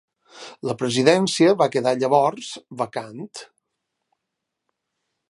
La presidència va quedar llavors vacant.